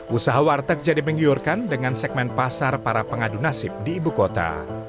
usaha warteg jadi menggiurkan dengan segmen pasar para pengadu nasib di ibu kota